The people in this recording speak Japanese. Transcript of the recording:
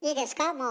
もう。